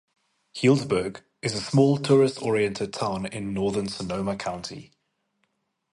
Healdsburg is a small tourist-oriented town in northern Sonoma County.